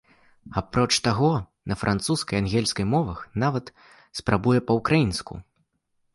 Апроч таго, на французскай і ангельскай мовах, нават спрабуе па-ўкраінску.